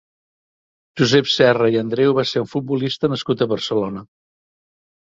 Josep Serra i Andreu va ser un futbolista nascut a Barcelona.